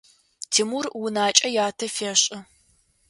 Тимур унакӏэ ятэ фешӏы.